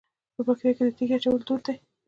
په پکتیا کې د تیږې اچول دود دی.